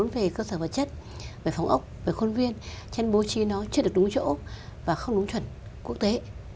về cơ sở vật chất về phòng ốc về khuôn viên trên bố trí nó chưa được đúng chỗ và không đúng chuẩn quốc tế